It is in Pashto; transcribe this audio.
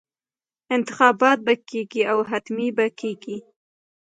انتخابات به کېږي او حتمي به کېږي.